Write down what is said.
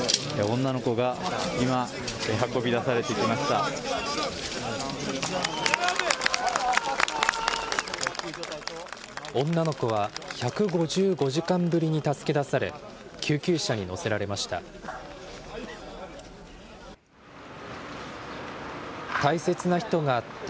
女の子は１５５時間ぶりに助け出され、救急車に乗せられました。